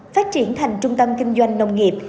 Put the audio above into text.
phát triển thành trung tâm kinh doanh nông nghiệp